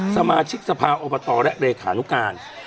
สมาชิกสภาอบตและเลขานุการ